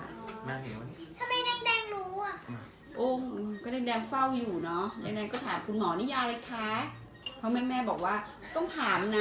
แดงเราว่ะก็แดงฝ่าอยู่เนอะแล้วก็ถามคุณหมอนุญาเลยคะเพราะแม่บอกว่าต้องถามนะ